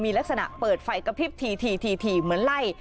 มีลักษณะเปิดไฟกระพริบทีเหมือนไล่